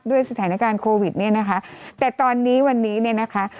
ด้วยสถานการณ์โควิดเนี่ยนะคะแต่ตอนนี้วันนี้เนี่ยนะคะ